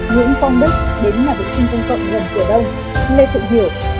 nguyễn phong đức đến nhà vệ sinh phương cộng gần tiểu đông lê phụng hiểu